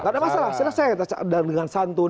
gak ada masalah selesai dengan santun